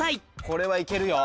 これは行けるよ！